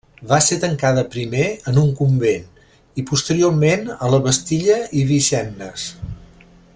Va ser tancada primer en un convent i, posteriorment, a la Bastilla i Vincennes.